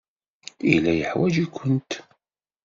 Yella yeḥwaj-ikent.